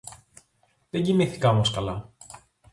Δεν κοιμήθηκα όμως καλά